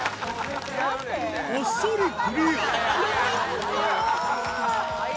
あっさりクリア